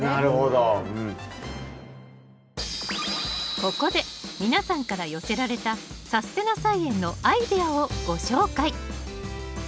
ここで皆さんから寄せられた「さすてな菜園」のアイデアをご紹介